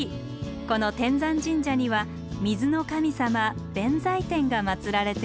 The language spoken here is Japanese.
この天山神社には水の神様弁財天が祀られています。